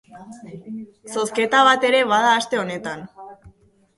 Zozketa bat ere bada aste honetan.